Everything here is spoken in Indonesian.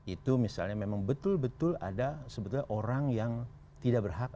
itu misalnya memang betul betul ada sebetulnya orang yang tidak berhak